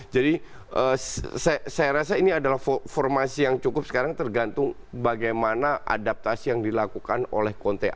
jadi saya rasa ini adalah formasi yang cukup sekarang tergantung bagaimana adaptasi yang dilakukan oleh konten